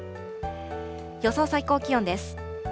予想最高気温です。